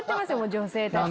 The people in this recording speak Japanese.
女性たち。